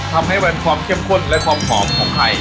ทำให้มันความเข้มข้นและความหอมของไข่